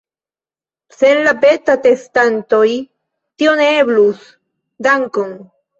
Sen la beta-testantoj tio ne eblus dankon!